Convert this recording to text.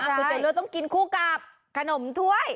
แต่เราต้องกินคู่กับขนมถ้วย